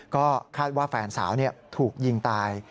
ก็คาดว่าแฟนสาวถูกยิงตาย